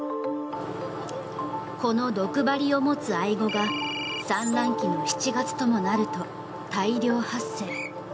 この毒針を持つアイゴが産卵期の７月ともなると大量発生。